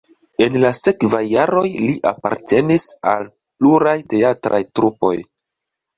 En la sekvaj jaroj li apartenis al pluraj teatraj trupoj.